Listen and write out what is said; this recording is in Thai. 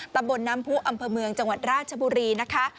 ตำบลน้ำผู้อำเภอเมืองจังหวัดราชบุรีนะคะ